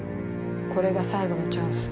これが最後のチャンス。